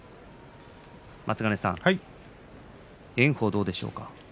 松ヶ根さん、炎鵬はどうですか？